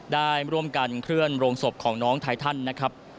ได้ร่วมกันเคลื่อนโรงศพของน้องไททันนะครับ